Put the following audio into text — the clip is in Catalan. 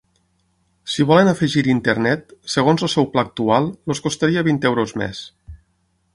Si volen afegir-hi internet, segons el seu pla actual, els costaria vint euros més.